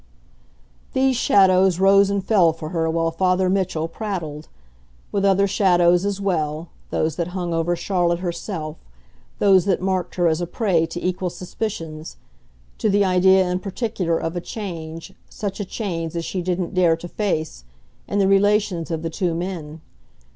These shadows rose and fell for her while Father Mitchell prattled; with other shadows as well, those that hung over Charlotte herself, those that marked her as a prey to equal suspicions to the idea, in particular, of a change, such a change as she didn't dare to face, in the relations of the two men.